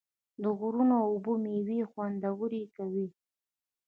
د غرونو اوبه میوې خوندورې کوي.